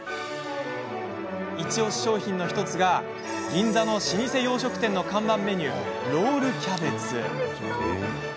イチおし商品の１つが銀座の老舗洋食店の看板メニューロールキャベツ。